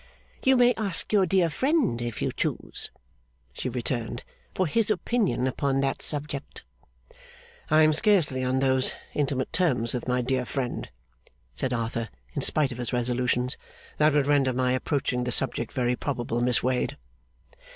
'You may ask your dear friend, if you choose,' she returned, 'for his opinion upon that subject.' 'I am scarcely on those intimate terms with my dear friend,' said Arthur, in spite of his resolutions, 'that would render my approaching the subject very probable, Miss Wade.